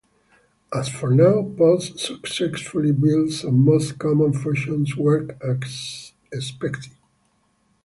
As for now, port successfully builds and most common functions work as expected.